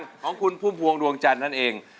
ของคุณพุ่มพวงดวงจันทร์นั่นเอง